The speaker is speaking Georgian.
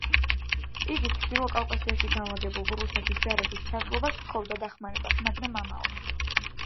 იგი ჩრდილო კავკასიაში განლაგებულ რუსეთის ჯარების სარდლობას სთხოვდა დახმარებას, მაგრამ ამაოდ.